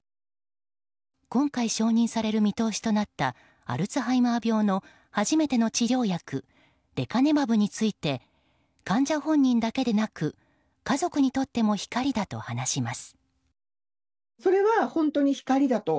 今回、承認される見通しとなったアルツハイマー病の初めての治療薬レカネマブについて患者本人だけでなく家族にとっても光だと話します。